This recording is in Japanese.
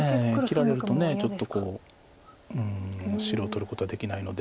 切られるとちょっとうん白を取ることができないので。